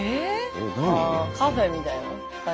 カフェみたいな感じ？